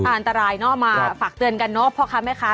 อันตรายเนอะมาฝากเตือนกันเนอะพ่อค้าแม่ค้า